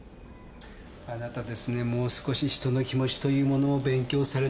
あなたですねもう少し人の気持ちというものを勉強されたほうがいい。